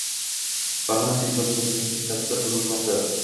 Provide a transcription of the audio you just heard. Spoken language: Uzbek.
Farg‘onada tezkor profilaktik tadbirlar bo‘lib o‘tmoqda